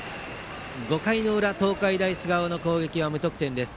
５回の裏、東海大菅生の攻撃は無得点です。